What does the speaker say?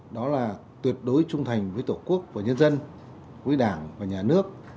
đó là tuyệt đối trung thành với tổ quốc và nhân dân với đảng và nhà nước